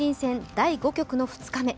第５局の２日目。